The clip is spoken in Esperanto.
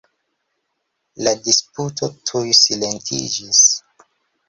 La disputo tuj silentiĝis.